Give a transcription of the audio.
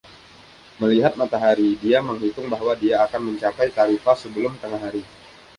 Melihat matahari, dia menghitung bahwa dia akan mencapai Tarifa sebelum tengah hari.